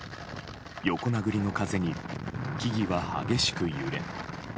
横殴りの風に木々は激しく揺れ。